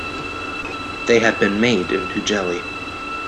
They have been made into jelly.